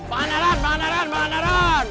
banaran banaran banaran